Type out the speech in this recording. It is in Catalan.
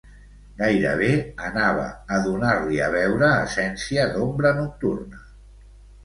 Gairebé anava a donar-li a beure essència d'ombra nocturna.